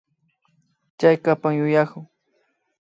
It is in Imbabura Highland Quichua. Chaykapan yuyaku